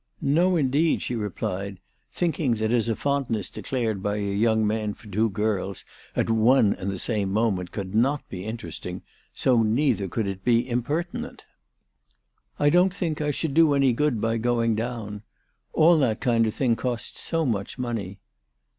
" No indeed," she replied, thinking that as a fondness declared by a young man for two girls at one and the same moment could not be interesting, so neither could it be impertinent. "I don't think I should do any good by going, down. All that kind of thing costs so much money."